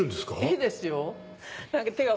いいですよ。